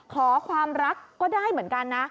ขอความรักก็ได้เหมือนกันนะ